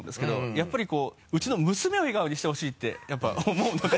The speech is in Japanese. やっぱりこううちの娘を笑顔にしてほしいってやっぱ思うので。